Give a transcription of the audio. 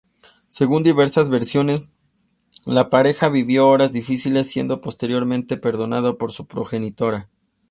Según diversas versiones, la pareja vivió horas difíciles, siendo posteriormente perdonado por su progenitora.